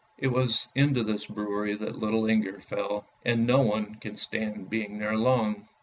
It was into this brewery that little Inger fell, and no one can stand being there long.